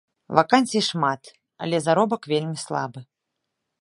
Вакансій шмат, але заробак вельмі слабы.